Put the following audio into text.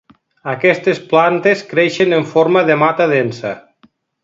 Aquestes plantes creixen en forma de mata densa.